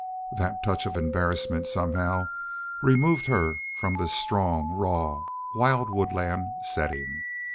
That touch of embarrassment somehow removed her from this strong, raw, wild woodland setting.